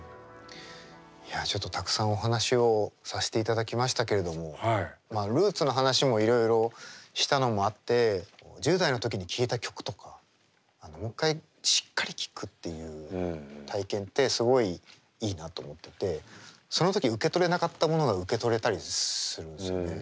いやちょっとたくさんお話をさせていただきましたけれどもルーツの話もいろいろしたのもあって１０代の時に聴いた曲とかもう一回しっかり聴くっていう体験ってすごいいいなと思っててその時受け取れなかったものが受け取れたりするんですよね。